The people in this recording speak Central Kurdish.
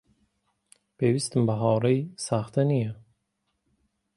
پێویستم بە هاوڕێی ساختە نییە.